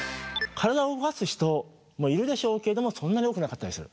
海が好きな人もいるでしょうけれどもそんなに多くなかったりする。